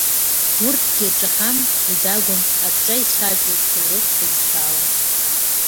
Урҭгьы ҿаҳам, идагәам, аҿҿа ицәажәоит ҭоурых бызшәала.